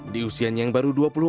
di usianya yang baru dua puluh empat